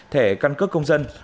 thẻ căn cấp công dân